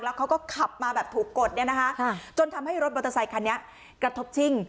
เขาก็ขับมาแบบถูกกดเนี่ยนะคะจนทำให้รถมอเตอร์ไซคันนี้กระทบชิ่ง